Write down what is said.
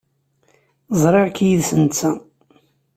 Ẓriɣ-k yid-s netta.